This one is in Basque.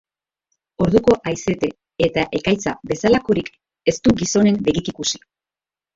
Orduko haizete eta ekaitza bezalakorik ez du gizonen begik ikusi.